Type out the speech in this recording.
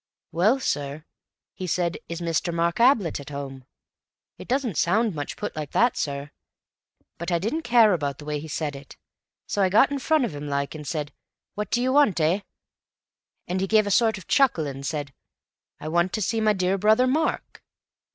"Well, sir, he said, 'Is Mister Mark Ablett at home?' It doesn't sound much put like that, sir, but I didn't care about the way he said it. So I got in front of him like, and said, 'What do you want, eh?' and he gave a sort of chuckle and said, 'I want to see my dear brother Mark.